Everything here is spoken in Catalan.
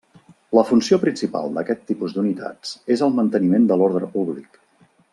La funció principal d'aquest tipus d'unitats és el manteniment de l'ordre públic.